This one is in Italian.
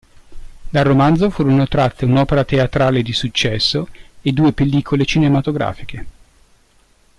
Dal romanzo furono tratte un'opera teatrale di successo e due pellicole cinematografiche.